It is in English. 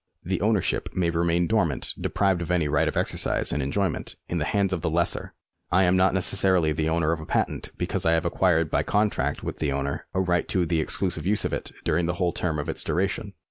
The ownership may remain dormant, deprived of any right of exercise and enjoyment, in the hands of the lessor. I am not necessarily the owner of a patent, because I have acquired by contract with the owner a right to the exclusive use of it during the whole term of its duration.